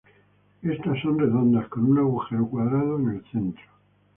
Estas son redondas, con un agujero cuadrado en el centro.